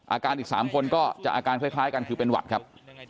อาการอีก๓คนก็จะอาการคล้ายกันคือเป็นหวัดครับ